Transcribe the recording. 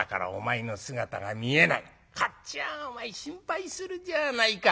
こっちはお前心配するじゃないか。